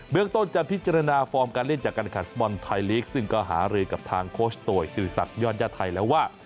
เมืองต้นจะพิจารณาฟอร์มการเล่นจากการแข่งฟุตบอลไทยลีกซึ่งก็หารือกับทางโคชโตยศิริษักยอดญาติไทยแล้วว่า